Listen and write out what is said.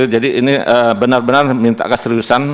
jadi ini benar benar minta keseriusan